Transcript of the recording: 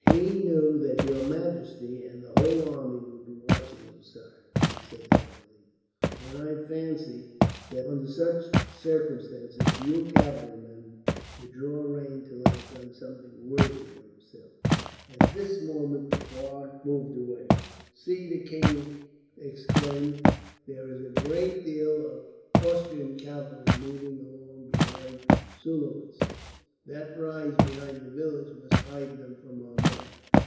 "He knew that your majesty and the whole army would be watching him, sire," Keith said quietly; "and I fancy that, under such circumstances, few cavalry men would draw rein till they had done something worthy of themselves." At this moment the fog wreath moved away. "See," the king exclaimed, "there is a great body of Austrian cavalry moving along behind Sulowitz. That rise behind the village must hide them from our men.